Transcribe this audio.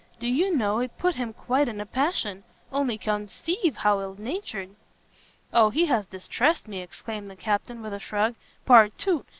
Do you know it put him quite in a passion! only conceive how ill natured!" "O he has distressed me," exclaimed the Captain, with a shrug, "partout!